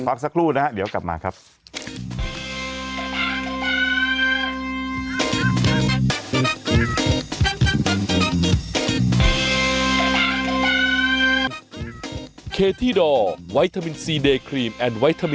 พักสักครู่นะฮะเดี๋ยวกลับมาครับ